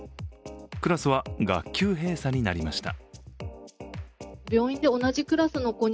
クラスは学級閉鎖になりました。